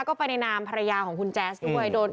ก็ไปในนามภรรยาของคุณแจ๊สด้วย